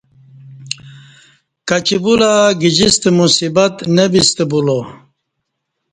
کچی بولہ گجستہ مصیبت نہ بیستہ بولہ